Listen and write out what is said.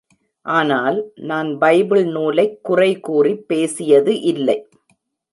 ஆனால், நான் பைபிள் நூலைக் குறை கூறிப்பேசியது இல்லை.